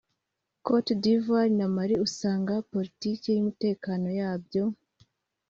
Côte d’Ivoire na Mali usanga politiki y’umutekano yabyo